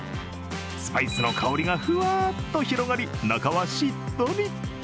スパイスの香りがふわっと広がり、中はしっとり。